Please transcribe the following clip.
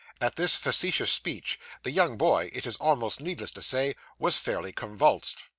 At this facetious speech, the young boy, it is almost needless to say, was fairly convulsed.